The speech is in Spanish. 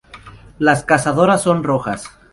Las cazadoras son rojas.